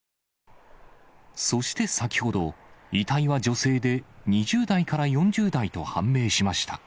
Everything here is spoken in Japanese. そして先ほど、遺体は女性で２０代から４０代と判明しました。